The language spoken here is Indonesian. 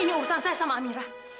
ini urusan saya sama amirah